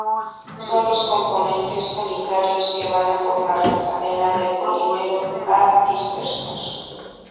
Son los componentes unitarios que van a formar la cadena del polímero a dispersar.